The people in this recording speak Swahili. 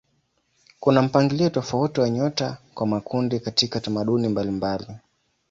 Kuna mpangilio tofauti wa nyota kwa makundi katika tamaduni mbalimbali duniani.